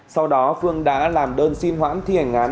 sau đó phương đã làm đơn xin hoãn thi hành án